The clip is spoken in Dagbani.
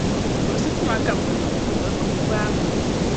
Buɣisi ti ma ka m bi niŋ, di zuɣu bɛ ku gbaai ma.